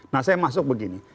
nah saya masuk begini